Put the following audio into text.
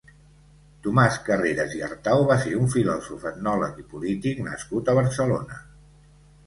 Tomàs Carreras i Artau va ser un filòsof, etnòleg i polític nascut a Barcelona.